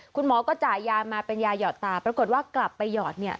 คุณหมอก็จ่ายยามาเป็นยาหยอดตาปรากฏว่ากลับไปหยอดเนี่ย